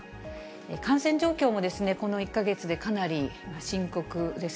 感染状況もこの１か月でかなり深刻です。